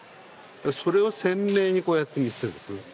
それを鮮明にこうやって見せる。